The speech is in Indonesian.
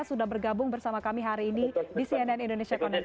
sudah bergabung bersama kami hari ini di cnn indonesia connected